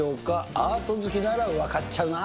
アート好きなら分かっちゃうなぁ。